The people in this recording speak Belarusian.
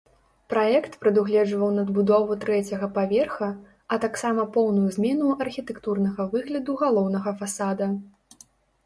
Праект прадугледжваў надбудову трэцяга паверха, а таксама поўную змену архітэктурнага выгляду галоўнага фасада.